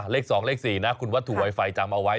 เลข๒เลข๔นะคุณวัตถุไวไฟจำเอาไว้